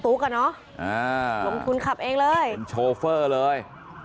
อ่ะเนอะลงทุนขับเองเลยเป็นโชเฟอร์เลย